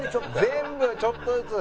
「全部ちょっとずつ」